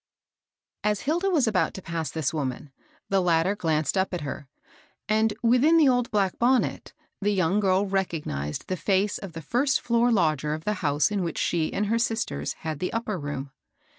j|S Hilda was about to pass this woman, the latter glanced up at her, and within the old black bonnet, the young girl recog •|f^ nized the fece of the first floor lodger of ^S^ the house in which she and her sisters had the upper room.